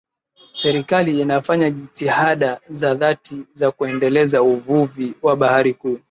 Serikali inafanya jitihada za dhati za kuendeleza uvuvi wa bahari kuu